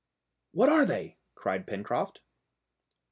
"What are they?" cried Pencroft.